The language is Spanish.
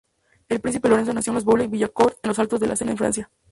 El príncipe Lorenzo nació en Boulogne-Billancourt, en los Altos del Sena, en Francia.